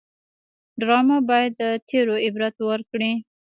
ډرامه باید د تېرو عبرت ورکړي